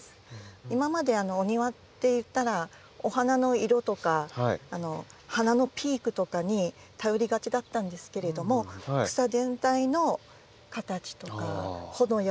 今までお庭っていったらお花の色とか花のピークとかに頼りがちだったんですけれども草全体の形とか穂の柔らかさとか。